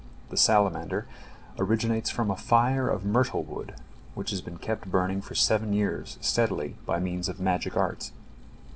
The salamander originates from a fire of myrtle wood which has been kept burning for seven years steadily by means of magic arts.